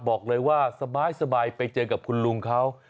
บอกเลยว่าสบายไปเจอกับคุณลุงเขา